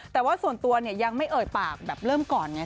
แต่ว่าส่วนตัวเนี่ยยังไม่เอ่ยปากแบบเริ่มก่อนไง